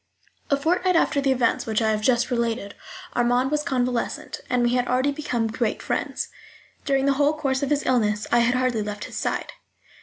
A fortnight after the events which I have just related Armand was convalescent, and we had already become great friends. During the whole course of his illness I had hardly left his side.